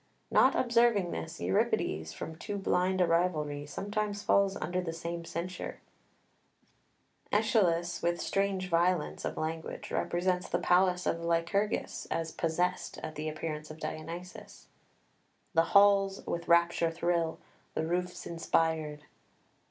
Not observing this, Euripides, from too blind a rivalry, sometimes falls under the same censure. [Footnote 7: Sept. c. Th. 42.] 6 Aeschylus with a strange violence of language represents the palace of Lycurgus as possessed at the appearance of Dionysus "The halls with rapture thrill, the roof's inspired."